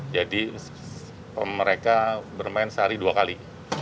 jadi mereka bermain sehari dua kali